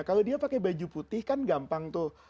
kalau dia pakai baju putih kan gampang tuh